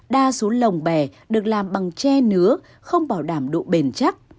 đa số lồng bè được làm bằng tre nứa không bảo đảm độ bền chắc